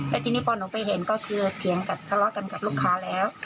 แล้วทีนี้พอหนูไปเห็นก็คือเถียงกับทะเลาะกันกับลูกค้าแล้ว